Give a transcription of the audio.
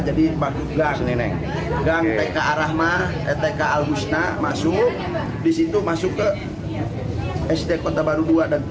jadi bagi gang gang tk al husna masuk disitu masuk ke sd kota baru dua dan tiga